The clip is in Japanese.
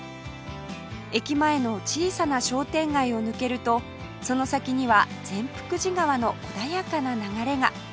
駅前の小さな商店街を抜けるとその先には善福寺川の穏やかな流れが